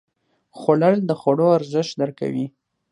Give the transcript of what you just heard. خوړل د خوړو ارزښت درک کوي